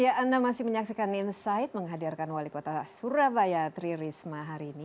ya anda masih menyaksikan insight menghadirkan wali kota surabaya tri risma hari ini